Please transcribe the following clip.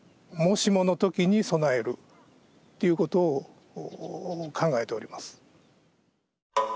もしもの時に備えるっていうことを考えております。